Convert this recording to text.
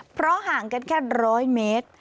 เพราะห่างกันแค่๑๐๐เมตร